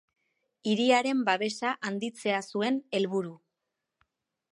Hiriaren babesa handitzea zuen helburu.